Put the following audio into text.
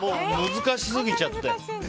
難しすぎちゃって。